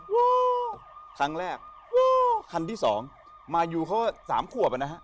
ว้าวครั้งแรกว้าวคันที่สองมาอยู่เขาสามขวบนะฮะ